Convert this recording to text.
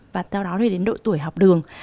và sau đó thì đến độ tuổi học đường